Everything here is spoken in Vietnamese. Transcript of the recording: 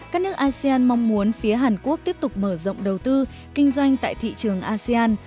các nước asean mong muốn phía hàn quốc tiếp tục mở rộng đầu tư kinh doanh tại thị trường asean